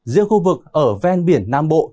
riêng khu vực ở ven biển nam bộ